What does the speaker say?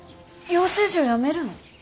養成所やめるの？